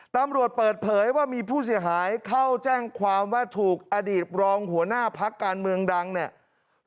ตำรวจเปิดเผยว่ามีผู้เสียหายเข้าแจ้งความว่าถูกอดีตรองหัวหน้าพักการเมืองดังเนี่ย